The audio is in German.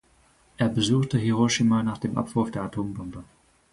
Er besuchte Hiroshima nach dem Abwurf der Atombombe.